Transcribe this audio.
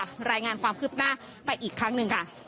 รายงานความคืบหน้าไปอีกครั้งหนึ่งค่ะ